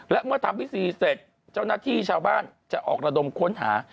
และเมื่อทำพิธีเสร็จเจ้าหน้าที่ชาวบ้านจะออกระดมค้นหา